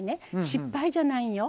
失敗じゃないんよ。